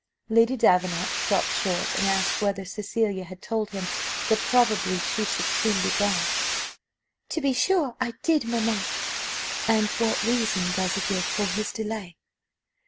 Lady Davenant stopped short, and asked whether Cecilia had told him that probably she should soon be gone? "To be sure I did, mamma." "And what reason does he give for his delay?"